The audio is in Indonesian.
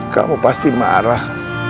kamu pasti marah